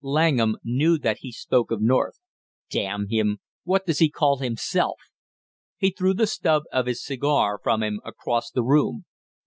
Langham knew that he spoke of North. "Damn him! What does he call himself?" He threw the stub of his cigar from him across the room.